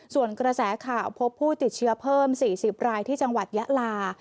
ส่วนกระแสข่าวพบผู้ติดเชื้อเพิ่ม๔๐รายที่จังหวัดยะลา